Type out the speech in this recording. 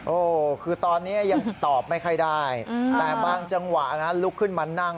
โอ้โหคือตอนนี้ยังตอบไม่ค่อยได้แต่บางจังหวะนั้นลุกขึ้นมานั่ง